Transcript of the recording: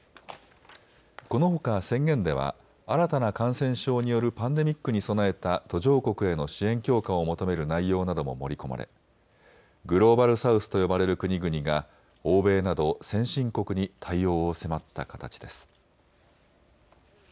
このほか宣言では新たな感染症によるパンデミックに備えた途上国への支援強化を求める内容なども盛り込まれグローバル・サウスと呼ばれる国々が欧米など先進国に対応を迫った形です。